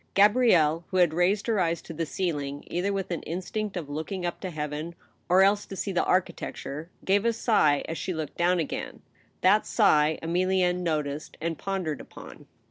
Gabrielle, who had raised her eyes to the ceiling, either with an instinct of looking up to heaven, or else to see the architecture, gave a sigh as she looked down again ; that sigh Emilienne noticed and pondered upon.